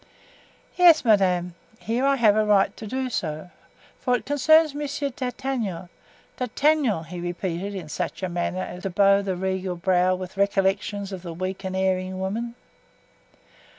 "Yes, madame, here I have a right to do so, for it concerns Monsieur d'Artagnan— d'Artagnan," he repeated, in such a manner as to bow the regal brow with recollections of the weak and erring woman.